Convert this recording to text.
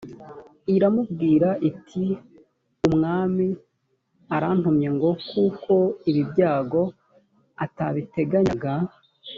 iramubwira iti umwami arantumye ngo ko ibi byago atabiteganyaga